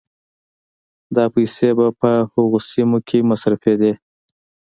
دا پيسې به په هغو سيمو کې مصرفېدې